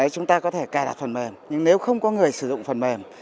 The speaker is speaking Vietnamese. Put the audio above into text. chúng ta có thể cài đặt phần mềm nhưng nếu không có người sử dụng phần mềm